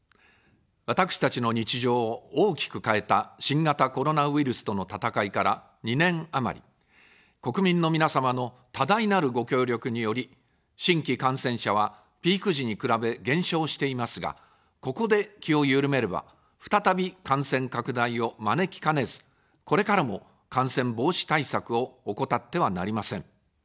私たちの日常を大きく変えた新型コロナウイルスとの闘いから２年余り、国民の皆様の多大なるご協力により、新規感染者はピーク時に比べ減少していますが、ここで気を緩めれば、再び感染拡大を招きかねず、これからも感染防止対策を怠ってはなりません。